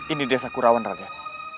ini desa kurawan raden